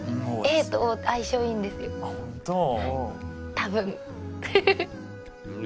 多分。